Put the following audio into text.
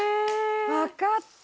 「わかった！」